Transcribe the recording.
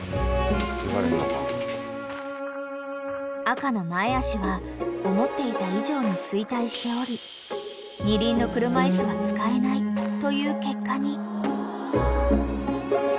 ［赤の前脚は思っていた以上に衰退しており二輪の車椅子は使えないという結果に］